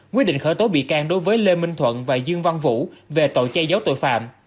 quyết định khởi tố bị can đối với lê minh thuận và dương văn vũ về tội che giấu tội phạm